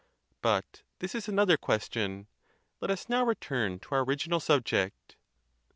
But this is another question: let us now return to our original subject.